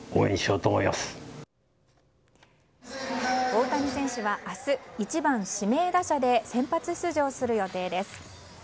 大谷選手は明日１番指名打者で先発出場する予定です。